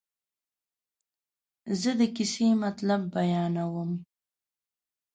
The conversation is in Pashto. زه د کیسې مطلب بیانوم.